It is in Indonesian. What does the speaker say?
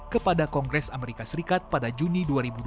kepada kongres amerika serikat pada juni dua ribu dua puluh